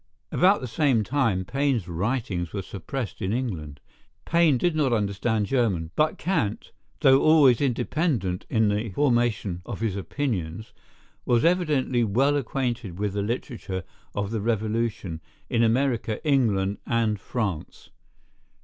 About the same time Paine's writings were suppressed in England. Paine did not understand German, but Kant, though always independent in the formation of his opinions, was evidently well acquainted with the literature of the Revolution, in America, England, and France.